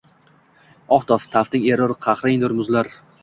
Oftob – tafting erur, qahringdur – muzlar.